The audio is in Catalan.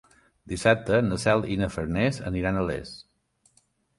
Dissabte na Cel i na Farners aniran a Les.